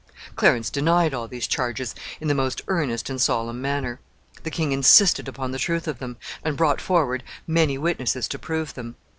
Clarence denied all these charges in the most earnest and solemn manner. The king insisted upon the truth of them, and brought forward many witnesses to prove them.